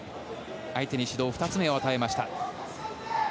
相手に指導２つ目を与えました。